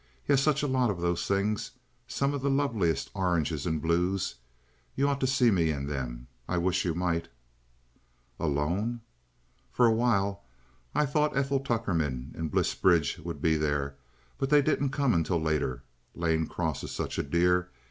He has such a lot of those things—some of the loveliest oranges and blues. You just ought to see me in them. I wish you might." "Alone?" "For a while. I thought Ethel Tuckerman and Bliss Bridge would be there, but they didn't come until later. Lane Cross is such a dear.